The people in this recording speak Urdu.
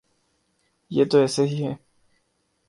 یہ تو ایسے ہی ہے۔